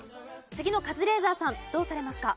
次のカズレーザーさんどうされますか？